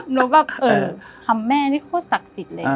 หนูก็คือคำแม่นี่โคตรศักดิ์สิทธิ์เลย